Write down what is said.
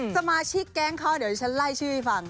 สมาชิกแก๊งเขาเดี๋ยวฉันไล่ชื่อให้ฟัง